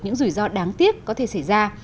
những rủi ro đáng tiếc có thể xảy ra